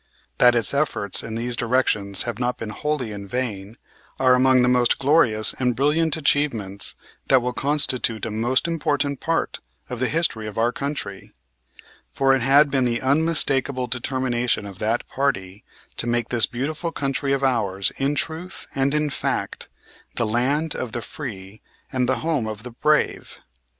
That its efforts in these directions have not been wholly in vain are among the most glorious and brilliant achievements that will constitute a most important part of the history of our country; for it had been the unmistakable determination of that party to make this beautiful country of ours in truth and in fact the land of the free and the home of the brave.